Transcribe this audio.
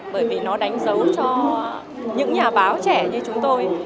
bởi vì nó đánh dấu cho những nhà báo trẻ như chúng tôi